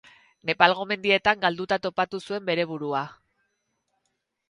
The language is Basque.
Nepalgo mendietan galduta topatu zuen bere burua.